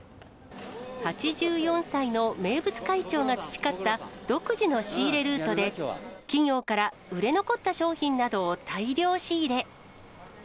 ８４歳の名物会長が培った、独自の仕入れルートで、企業から売れ残った商品などを大量仕入れ。